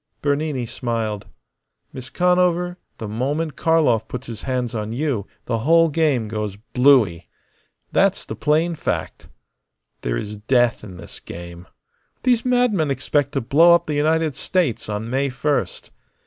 Bernini smiled. "Miss Conover, the moment Karlov puts his hands on you the whole game goes blooey. That's the plain fact. There is death in this game. These madmen expect to blow up the United States on May first.